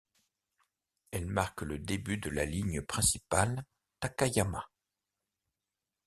Elle marque le début de la ligne principale Takayama.